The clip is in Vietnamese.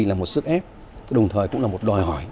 là một sức ép đồng thời cũng là một đòi hỏi